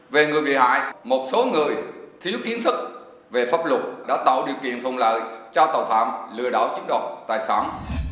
về người bị hại một số người thiếu kiến thức về pháp luật đã tạo điều kiện phùng lợi cho tàu phạm lừa đảo chính loạt tài sản